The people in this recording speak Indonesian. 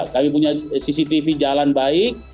kami punya cctv jalan baik